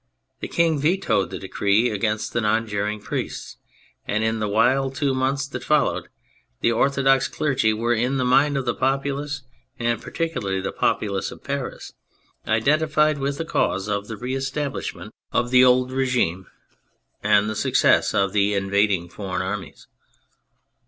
The King vetoed the decree against the non juring priests, and in the wild two months that followed the orthodox clergy were, in the mind of the populace, and particularly the populace of Paris, identified with the cause of the re establishment of the THE CATHOLIC CHURCH 251 old regime and the success of the invading foreign armies.